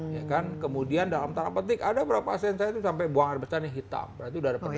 ya kan kemudian dalam tanah petik ada berapa sensasi itu sampai buang air besar ini hitam berarti udah ada penipu